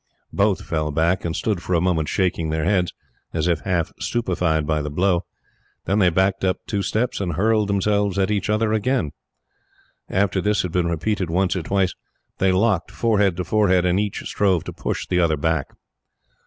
Both fell back, and stood for a moment shaking their heads, as if half stupefied with the blow. Then they backed two steps, and hurled themselves at each other again. After this had been repeated once or twice, they locked forehead to forehead, and each strove to push the other back.